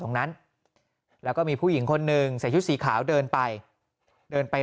ตรงนั้นแล้วก็มีผู้หญิงคนหนึ่งใส่ชุดสีขาวเดินไปเดินไป